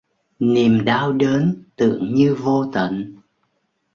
Niềm đau đớn tưởng như vô tận